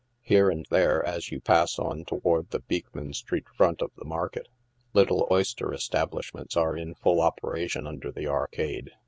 Here and there, as you pass on toward the Beekman street front of the market, little oyster establishments are in full operation under the arcade.